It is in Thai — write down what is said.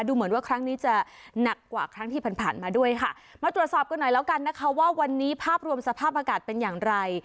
ดูเหมือนว่าครั้งนี้จะหนักกว่าครั้งที่ผ่านมาด้วยค่ะมาตรวจสอบกันหน่อยแล้วกันนะคะว่าวันนี้ภาพรวมสภาพอากาศเป็นอย่างไร